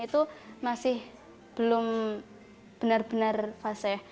itu masih belum benar benar fase